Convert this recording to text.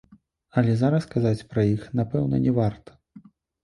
Але зараз казаць пра іх, напэўна, не варта.